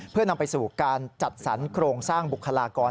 เพื่อนำไปสู่การจัดสรรโครงสร้างบุคลากร